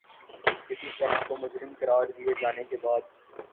کسی شخص کو مجرم قراد دیے جانے کے بعد